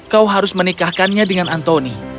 kau harus menikahkannya dengan antoni